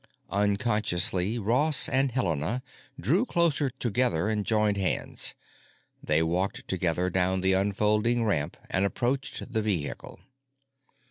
Unconsciously Ross and Helena drew closer together and joined hands. They walked together down the unfolding ramp and approached the vehicle.